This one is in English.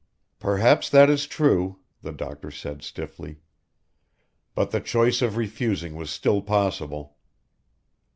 "Perhaps that is true," the doctor said stiffly, "but the choice of refusing was still possible."